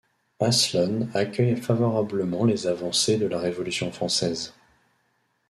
Aslonnes accueille favorablement les avancées de la Révolution française.